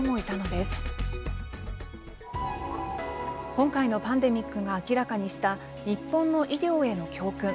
今回のパンデミックが明らかにした日本の医療への教訓。